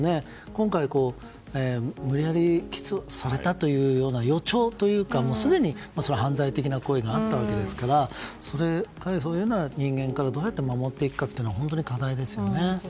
今回無理やりキスされたというような予兆というかすでに犯罪的な行為があったわけですからそういう人間からどうやって守っていくかというのは本当に課題ですよね。